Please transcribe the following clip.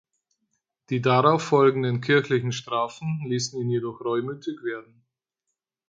Die darauf folgenden kirchliche Strafen ließen ihn jedoch reumütig werden.